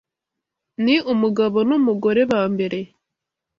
Ni umugabo n’umugore ba mbere